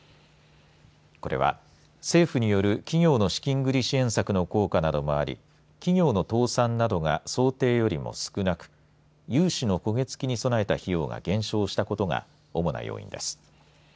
これは、政府による営業の資金繰り支援策の効果などもあり企業の倒産などが想定よりも少なく融資の焦げ付きに備えた費用が減少したことが主な要因です。